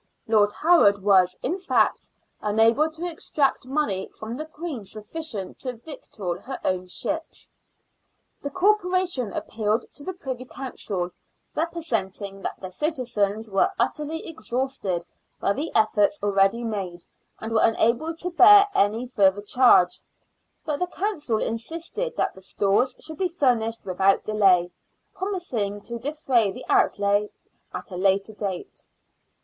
(Lord Howard was, in fact, unable to extract money from the Queen sufficient to victual her own ships.) The Corporation appealed to the Privy Council, representing that the citizens were utterly exhausted by the efforts already made, and were unable SPANISH ARMADA. 93 to bear any further charge ; but the Council insisted that the stores should be furnished without delay, promising to defray the outlay at a later date.